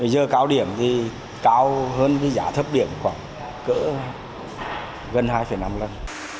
giờ cao điểm thì cao hơn cái giá thấp điểm khoảng gần hai năm lần